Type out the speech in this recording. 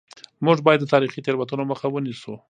موږ باید د تاریخي تېروتنو مخه ونیسو.